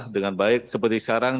dengan baik seperti sekarang